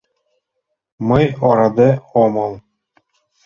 Мый ораде омыл...